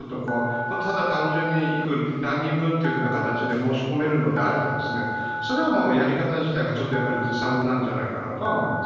ただ単純にいつ、何人分ということで申し込めるのであればそれはもう、やり方自体がちょっとずさんなんじゃないかなとは思います。